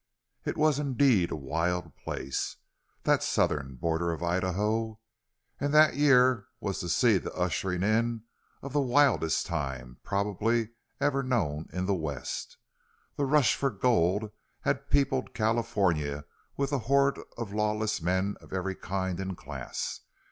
It was indeed a wild place, that southern border of Idaho, and that year was to see the ushering in of the wildest time probably ever known in the West. The rush for gold had peopled California with a horde of lawless men of every kind and class.